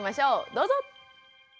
どうぞ！